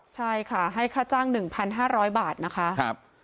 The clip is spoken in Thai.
ใช่ค่ะให้ค่าจ้าง๑๕๐๐บาทนะคะ